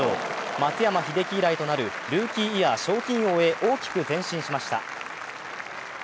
松山英樹以来となるルーキーイヤー賞金王へ、大きく前進しました。